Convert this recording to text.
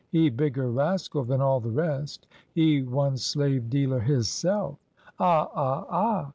He bigger rascal than all the rest he one slave dealer hisself. Ah! ah! ah!"